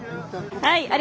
はい。